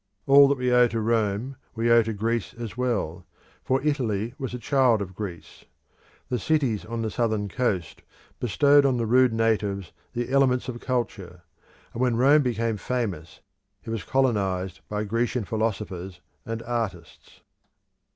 All that we owe to Rome we owe to Greece as well, for Italy was a child of Greece. The cities on the southern coast bestowed on the rude natives the elements of culture, and when Rome became famous it was colonised by Grecian philosophers and artists.